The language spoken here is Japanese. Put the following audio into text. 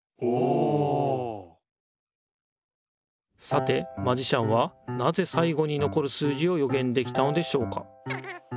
さてマジシャンはなぜさいごにのこる数字をよげんできたのでしょうか？